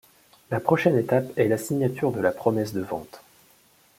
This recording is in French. La prochaine étape est la signature de la promesse de vente.